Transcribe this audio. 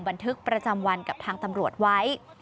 บันทึกประจำวันกับทางตำรวจไว้